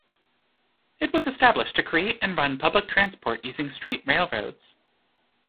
It was established to create and run public transport using street railroads.